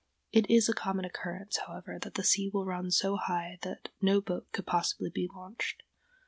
] It is a common occurrence, however, that the sea will run so high that no boat could possibly be launched.